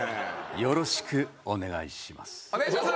よろしくお願いします。